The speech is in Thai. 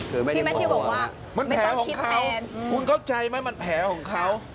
พี่แมททิวบอกว่าไม่ต้องคิดแทนมันแผลของเขาคุณเข้าใจไหมมันแผลของเขา